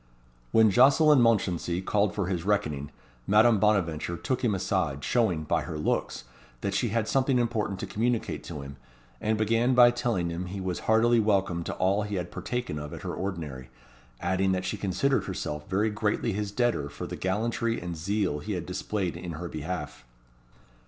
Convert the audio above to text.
When Jocelyn Mounchensey called for his reckoning, Madame Bonaventure took him aside, showing, by her looks, that she had something important to communicate to him, and began by telling him he was heartily welcome to all he had partaken of at her ordinary, adding that she considered herself very greatly his debtor for the gallantry and zeal he had displayed in her behalf.